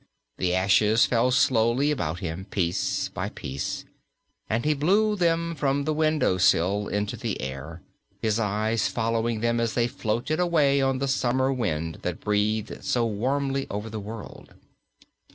The ashes fell slowly about him, piece by piece, and he blew them from the window sill into the air, his eyes following them as they floated away on the summer wind that breathed so warmly over the world.